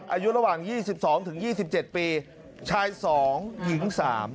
อายุระหว่าง๒๒๒๗ปีชาย๒หญิง๓